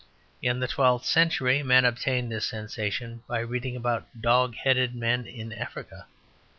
In the twelfth century men obtained this sensation by reading about dog headed men in Africa.